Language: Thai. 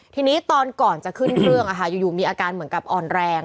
ทีนี้ตอนก่อนจะขึ้นเครื่องอยู่มีอาการเหมือนกับอ่อนแรง